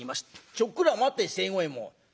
「ちょっくら待て清五右衛門。